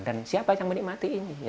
dan siapa yang menikmati ini